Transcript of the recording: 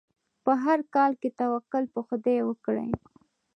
په هر کار کې توکل په خدای وکړئ.